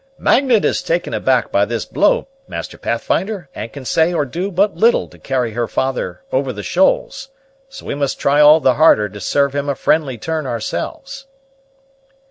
"Magnet is taken aback by this blow, Master Pathfinder, and can say or do but little to carry her father over the shoals; so we must try all the harder to serve him a friendly turn ourselves."